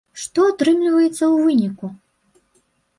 Што атрымліваецца ў выніку?